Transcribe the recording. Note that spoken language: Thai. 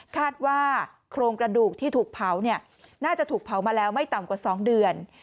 คาดว่าโครงกระดูกที่ถูกเผาน่าจะถูกเผามาแล้วไม่ต่ำกว่า๒เดือน